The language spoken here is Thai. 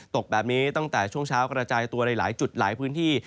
ตกแบบนี้ตั้งแต่ช่วงเช้ากระจายตัวในหลายจุดหลายพื้นที่